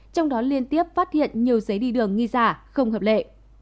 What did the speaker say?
trong đó liên tiếp phát hiện nhiều giấy đi đường nghi giả không hợp lệ